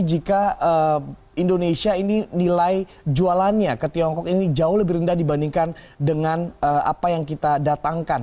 jika indonesia ini nilai jualannya ke tiongkok ini jauh lebih rendah dibandingkan dengan apa yang kita datangkan